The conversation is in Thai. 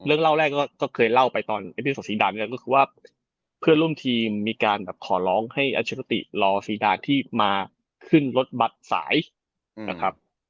เรื่องเล่าแรกก็เคยเล่าไปตอนเอปิสดซีดานก็คือว่าเพื่อนร่วมทีมีการขอร้องให้อัลเชอร์ติรอซีดานที่มาขึ้นรถบัตรสายนะครับ